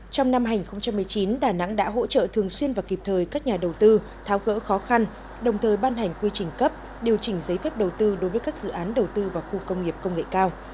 trong năm hai nghìn một mươi chín đà nẵng đã hỗ trợ thường xuyên và kịp thời các nhà đầu tư tháo gỡ khó khăn đồng thời ban hành quy trình cấp điều chỉnh giấy phép đầu tư đối với các dự án đầu tư vào khu công nghiệp công nghệ cao